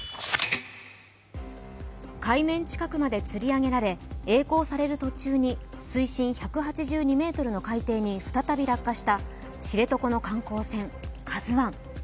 海面近くまでつり上げられえい航される途中に水深１８２ｍの海底に再び落下した、知床の観光船「ＫＡＺＵⅠ」。